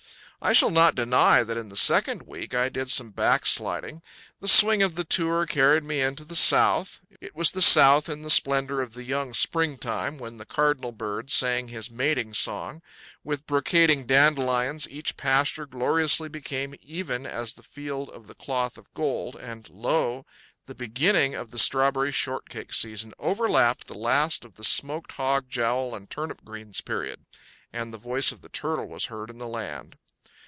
I shall not deny that in the second week I did some backsliding. The swing of the tour carried me into the South. It was the South in the splendor of the young springtime when the cardinal bird sang his mating song. With brocading dandelions each pasture gloriously became even as the Field of the Cloth of Gold; and lo, the beginning of the strawberry shortcake season overlapped the last of the smoked hog jowl and turnip greens period, and the voice of the turtle was heard in the land.